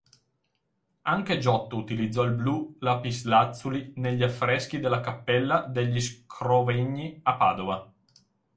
Anche Giotto utilizzò il blu lapislazzuli negli affreschi della Cappella degli Scrovegni a Padova.